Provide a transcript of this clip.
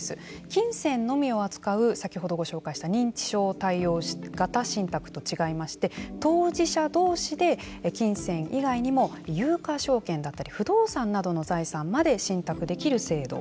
金銭のみを扱う先ほどご紹介した認知症対応型信託と違いまして当事者同士で金銭以外にも有価証券だったり不動産などの財産まで信託できる制度。